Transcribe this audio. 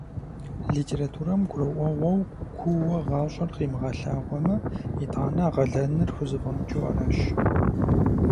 Литературэм гурыӀуэгъуэу куууэ гъащӀэр къимыгъэлъагъуэмэ, итӀанэ а къалэныр хузэфӀэмыкӀыу аращ.